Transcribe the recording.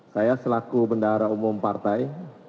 saya selaku bendahara umum partai